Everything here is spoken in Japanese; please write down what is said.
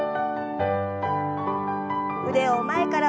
腕を前から上に。